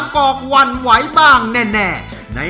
น้องไมโครโฟนจากทีมมังกรจิ๋วเจ้าพญา